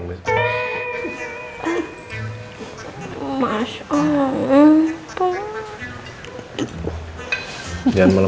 keluar dengan ungu kepercayaan tadji